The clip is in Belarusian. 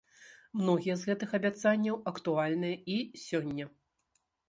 Многія з гэтых абяцанняў актуальныя і сёння.